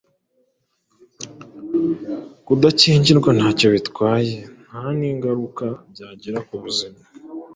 Kudakingirwa ntacyo bitwaye nta n’ingaruka byagira ku buzima.”